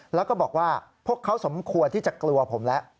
แล้วก็บอกว่าพวกเขาสมควรที่จะกลัวผมแล้ว